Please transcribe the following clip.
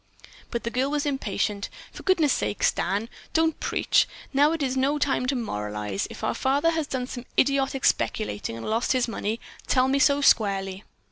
But the girl was impatient. "For goodness sakes, Dan, don't preach! Now is no time to moralize. If our father has done some idiotic speculating and has lost his money, tell me so squarely."